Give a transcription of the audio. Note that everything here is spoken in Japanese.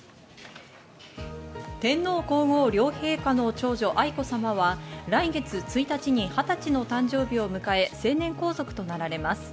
天皇皇后両陛下の長女・愛子さまは来月１日に２０歳の誕生日を迎え成年皇族となられます。